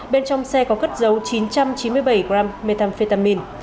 bên trong xe có cất dấu chín trăm chín mươi bảy g methamphetamin